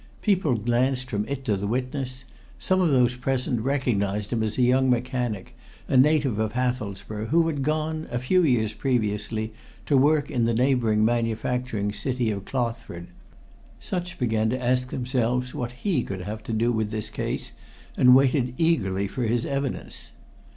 People glanced from it to the witness: some of those present recognized him as a young mechanic, a native of Hathelsborough, who had gone, a few years previously, to work in the neighbouring manufacturing city of Clothford such began to ask themselves what he could have to do with this case and waited eagerly for his evidence.